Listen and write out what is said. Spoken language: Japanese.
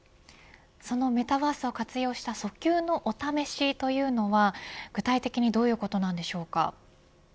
そのメタバースを活用した訴求のお試しというのは具体的にどういうことなんでしょうか。